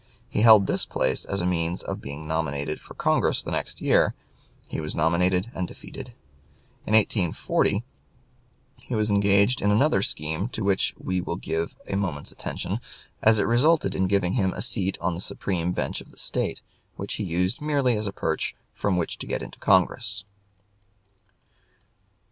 He held this place as a means of being nominated for Congress the next year; he was nominated and defeated. In 1840 he was engaged in another scheme to which we will give a moment's attention, as it resulted in giving him a seat on the Supreme Bench of the State, which he used merely as a perch from which to get into Congress.